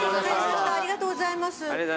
ありがとうございます。